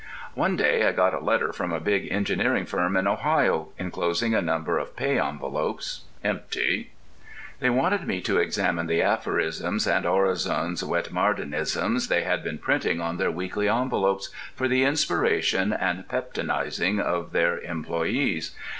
One day I got a letter from a big engineering firm in Ohio, enclosing a number of pay envelopes (empty). They wanted me to examine the aphorisms and orisonswettmardenisms they had been printing on their weekly envelopes, for the inspiration and peptonizing of their employees.